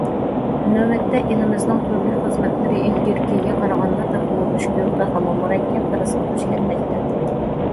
نۆۋەتتە، ئېلىمىزنىڭ تۈرلۈك خىزمەتلىرى ئىلگىرىكىگە قارىغاندا تېخىمۇ مۈشكۈل، تېخىمۇ مۇرەككەپ خىرىسقا دۇچ كەلمەكتە.